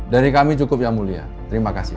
dari kami cukup yang mulia terima kasih